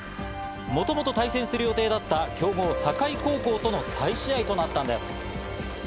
もともと対戦する予定だった強豪・境高校との再試合となったんです。